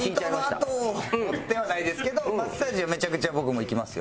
伊藤のあとを追ってはないですけどマッサージはめちゃくちゃ僕も行きますよ。